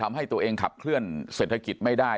ทำให้ตัวเองขับเคลื่อนเศรษฐกิจไม่ได้